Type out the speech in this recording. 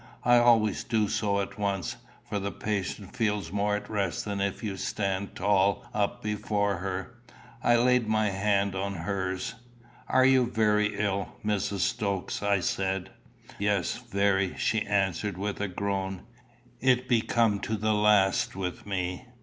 I always do so at once; for the patient feels more at rest than if you stand tall up before her. I laid my hand on hers. "Are you very ill, Mrs. Stokes?" I said. "Yes, very," she answered with a groan. "It be come to the last with me."